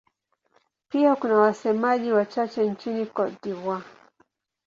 Pia kuna wasemaji wachache nchini Cote d'Ivoire.